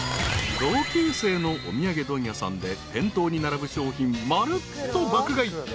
［同級生のお土産問屋さんで店頭に並ぶ商品まるっと爆買い。